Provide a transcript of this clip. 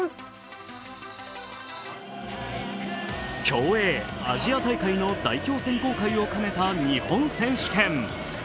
競泳アジア大会の代表選考会を兼ねた日本選手権。